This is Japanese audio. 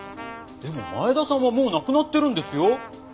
でも前田さんはもう亡くなってるんですよ？